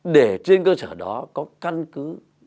để trên cơ sở đó có căn cứ